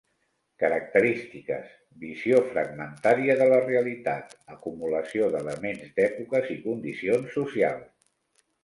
Característiques: visió fragmentària de la realitat, acumulació d’elements d’èpoques i condicions socials.